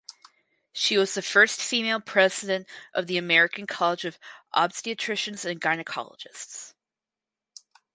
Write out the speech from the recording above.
She was the first female president of the American College of Obstetricians and Gynecologists.